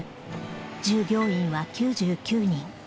従業員は９９人。